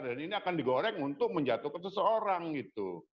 dan ini akan digoreng untuk menjatuhkan seseorang gitu